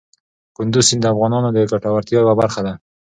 کندز سیند د افغانانو د ګټورتیا یوه برخه ده.